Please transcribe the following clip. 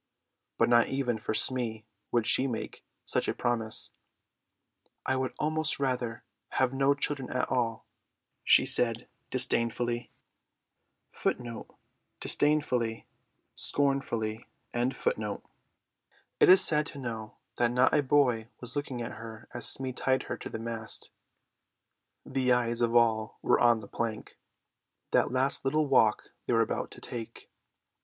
But not even for Smee would she make such a promise. "I would almost rather have no children at all," she said disdainfully. It is sad to know that not a boy was looking at her as Smee tied her to the mast; the eyes of all were on the plank: that last little walk they were about to take.